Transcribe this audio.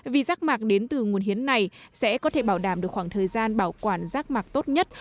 vì rác mạc đến từ nguồn hiến này sẽ có thể bảo đảm được khoảng thời gian bảo quản rác mạc tốt nhất